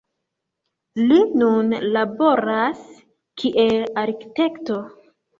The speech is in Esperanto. Li nun laboras kiel arkitekto.